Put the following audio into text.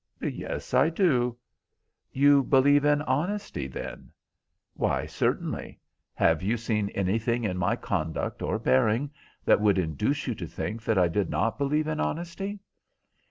"Yes, I do." "You believe in honesty, then?" "Why, certainly. Have you seen anything in my conduct or bearing that would induce you to think that I did not believe in honesty?"